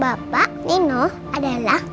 bapak nino adalah